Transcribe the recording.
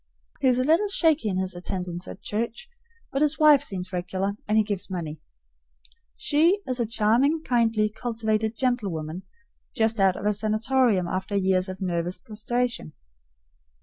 He is a little shaky in his attendance at church, but his wife seems regular, and he gives money. She is a charming, kindly, cultivated gentlewoman, just out of a sanatorium after a year of nervous prostration.